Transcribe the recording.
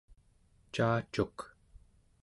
caacuk